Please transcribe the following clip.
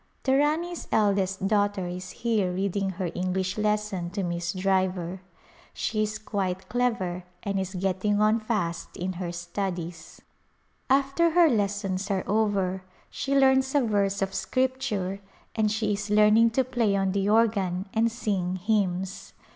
The Rani's eldest daughter is here reading her English lesson to Miss Driver. She is quite clever A Glimpse of India and is getting on fast in her studies. After her lessons are over she learns a verse of Scripture and she is learning to play on the organ and sing hymns.